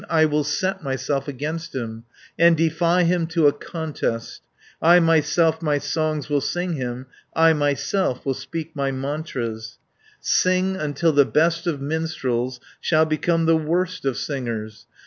I will set myself against him, And defy him to a contest, I myself my songs will sing him, I myself will speak my mantras; Sing until the best of minstrels Shall become the worst of singers.